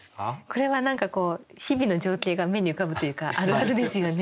これは何かこう日々の情景が目に浮かぶというかあるあるですよね。